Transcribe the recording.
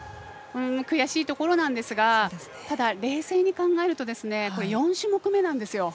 悔しいところなんですがただ冷静に考えると４種目めなんですよ。